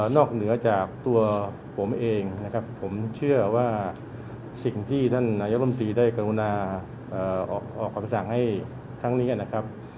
เหนือจากตัวผมเองนะครับผมเชื่อว่าสิ่งที่ท่านนายกรรมตรีได้กรุณาออกคำสั่งให้ทั้งนี้นะครับ